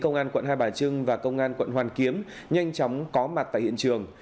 công an quận hai bà trưng và công an quận hoàn kiếm nhanh chóng có mặt tại hiện trường